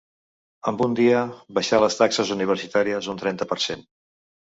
Amb un dia, baixar les taxes universitàries un trenta per cent.